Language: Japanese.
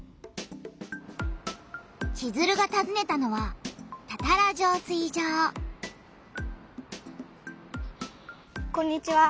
チズルがたずねたのはこんにちは。